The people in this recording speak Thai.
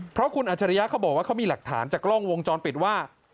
เพราะคุณอัจฉริยะเขาบอกว่าเขามีหลักฐานจากกล้องวงจรปิดว่า